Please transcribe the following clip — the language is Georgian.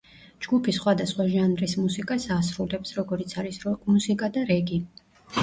ჯგუფი სხვადასხვა ჟანრის მუსიკას ასრულებს, როგორიც არის როკ-მუსიკა და რეგი.